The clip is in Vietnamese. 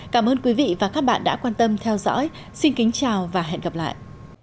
cảm ơn quý vị và các bạn đã quan tâm theo dõi xin kính chào và hẹn gặp lại